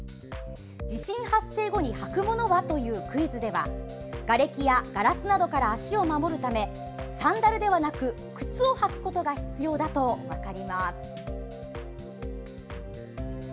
地震発生後に履くものは？というクイズではがれきやガラスなどから足を守るためサンダルではなく靴を履くことが必要だと分かります。